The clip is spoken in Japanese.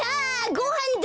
ごはんだ！